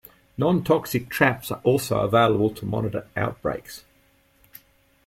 Nontoxic traps are also available to monitor outbreaks.